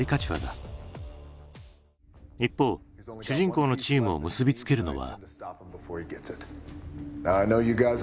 一方主人公のチームを結び付けるのは。